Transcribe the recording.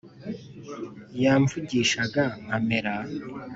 yamvugishaga nkamera